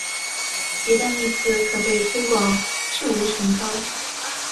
迭代幂次可被推广至无穷高。